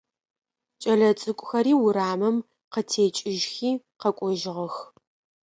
Кӏэлэцӏыкӏухэри урамым къытекӏыжьхи къэкӏожьыгъэх.